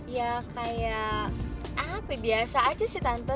ya kayak apa biasa aja sih tante